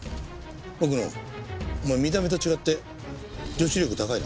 奥野お前見た目と違って女子力高いな。